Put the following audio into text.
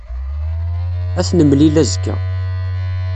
Ad t-nemlil azekka.